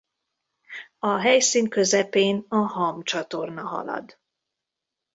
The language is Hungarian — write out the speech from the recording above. A helyszín közepén a Ham csatorna halad.